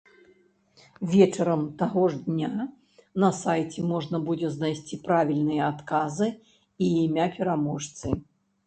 Вечарам таго ж дня на сайце можна будзе знайсці правільныя адказы і імя пераможцы.